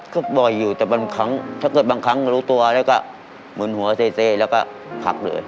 ก็บ่อยอยู่แต่บางครั้งถ้าเกิดบางครั้งรู้ตัวแล้วก็มึนหัวเซแล้วก็ผักเลย